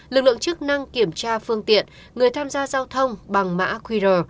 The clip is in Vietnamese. lực lượng chức năng kiểm tra phương tiện người tham gia giao thông bằng mã qr